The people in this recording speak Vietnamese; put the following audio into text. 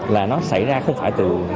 là nó xảy ra không phải từ